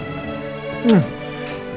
cuma berantem sama obama